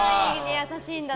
優しいんだな。